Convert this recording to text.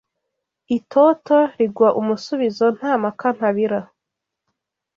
Itoto rigwa umusubizo Nta mpaka ntabira